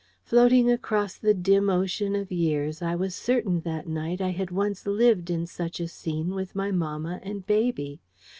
Floating across the dim ocean of years, I was certain that night I had once lived in such a scene, with my mamma, and baby.